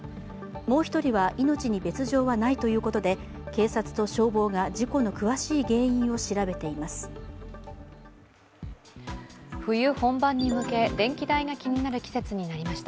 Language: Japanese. もう１人は命に別状はないということで警察と消防が事故の詳しい原因を調べています。